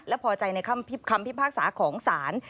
และพอใจในคำพิพากษาของศาล